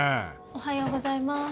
おはようございます。